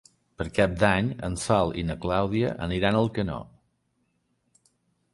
Per Cap d'Any en Sol i na Clàudia aniran a Alcanó.